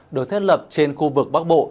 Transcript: được thiết lập trên khu vực bắc bộ